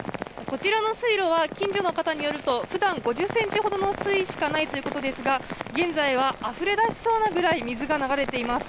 こちらの水路は近所の方によると普段５０ｃｍほどの水位しかないということですが現在はあふれ出しそうなぐらい水が流れています。